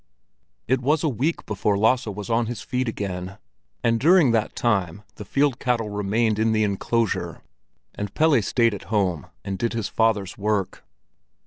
It was a week before Lasse was on his feet again, and during that time the field cattle remained in the enclosure, and Pelle stayed at home and did his father's work.